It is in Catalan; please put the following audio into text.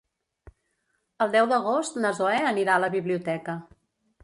El deu d'agost na Zoè anirà a la biblioteca.